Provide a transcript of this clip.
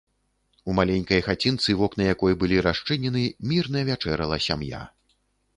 У маленькай хацінцы, вокны якой былі расчынены, мірна вячэрала сям'я.